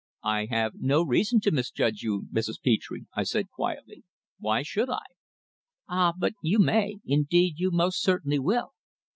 "I have no reason to misjudge you, Mrs. Petre," I said, quietly. "Why should I?" "Ah! but you may. Indeed, you most certainly will."